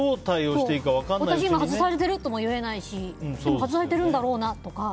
私、今外されてる？とも言えないしでも外されてるんだろうなとか。